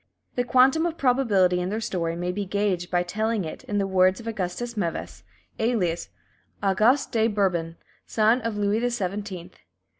The quantum of probability in their story may be gauged by telling it in the words of Augustus Meves, alias "Auguste de Bourbon, son of Louis the Seventeenth."